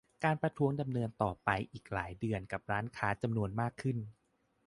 การประท้วงดำเนินต่อไปอีกหลายเดือนกับร้านค้าจำนวนมากขึ้น